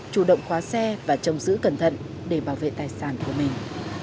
chủ động khóa xe và trông giữ cẩn thận để bảo vệ tài sản của mình